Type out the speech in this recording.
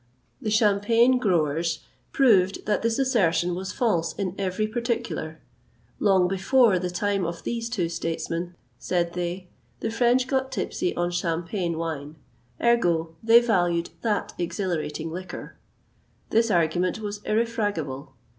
The Champagne growers proved that this assertion was false in every particular. Long before the time of these two statesmen, said they, the French got tipsy on Champagne wine; ergo, they valued that exhilarating liquor. This argument was irrefragable.